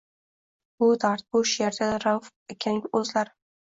Bu – dard, bu– she’r – der edi Rauf akaning o’zlari.